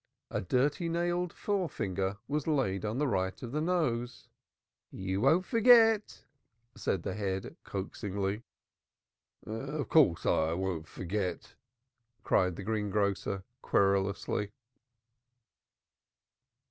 A dirty nailed forefinger was laid on the right of the nose. "You won't forget," said the head coaxingly. "Of course I won't forget," cried the greengrocer querulously.